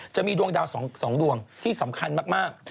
จะมีดวงดาว๒ดวงที่สำคัญมาก